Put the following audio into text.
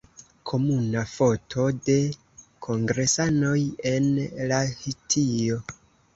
Komuna foto de kongresanoj en Lahtio.